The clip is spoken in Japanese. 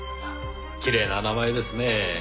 きれいな名前ですねぇ。